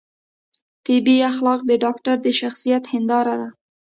طبي اخلاق د ډاکتر د شخصیت هنداره ده